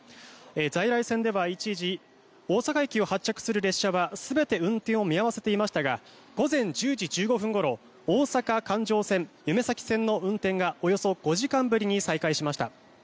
在来線では一時、大阪駅を発着する列車は全て運転を見合わせていましたが午前１０時１５分ごろ大阪環状線、ゆめ咲線の運転がおよそ５時間ぶりに再開しました。